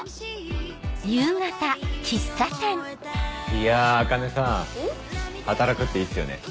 いや茜さん働くっていいっすよね。